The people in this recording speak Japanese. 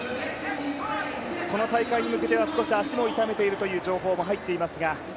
この大会に向けては少し足も痛めているという情報も入っていますが。